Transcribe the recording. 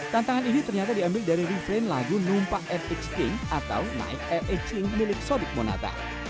tantangan ini ternyata diambil dari refrain lagu numpah rx king atau naik rx king milik sonic monata